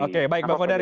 oke baik bang kodari